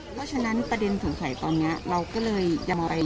เพราะฉะนั้นประเด็นสงสัยตอนนี้เราก็เลยยังอะไร